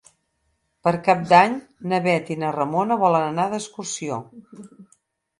Per Cap d'Any na Bet i na Ramona volen anar d'excursió.